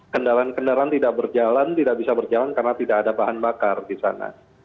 kedua juga di lapangan ini kita lihat ada beberapa kiriman video yang menunjukkan tentang kelangkaan bbm di palu dari tim act